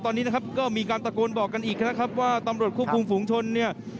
ตอนนี้นะครับก็มีการตะโกนบอกกันอีกนะครับว่าตำรวจควบคุมฝุงชนเนี่ย